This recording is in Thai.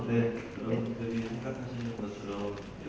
แต่เขาบอกว่าในอนาคตอาจจะมีโอกาสแต่